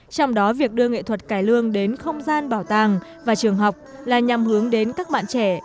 trong đó việc đưa nghệ thuật cải lương đến không gian bảo tàng và trường học là nhằm hướng đến các bạn trẻ